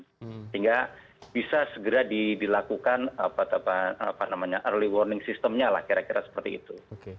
sehingga bisa segera dilakukan early warning systemnya lah kira kira seperti itu